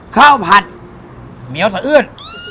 ข้าวผัดเหนียวสะอื้น